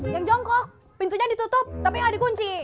yang jongkok pintunya ditutup tapi nggak dikunci